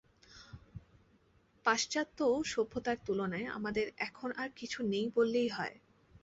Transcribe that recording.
পাশ্চাত্য সভ্যতার তুলনায় আমাদের এখন আর কিছু নেই বললেই হয়।